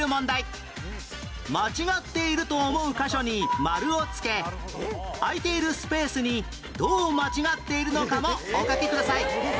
間違っていると思う箇所に丸を付け空いているスペースにどう間違っているのかもお書きください